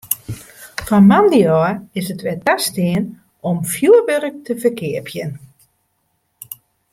Fan moandei ôf is it wer tastien om fjoerwurk te ferkeapjen.